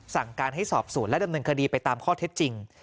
สั่งการให้สอบสวนและดำเนินคดีไปตามข้อเท็จจริง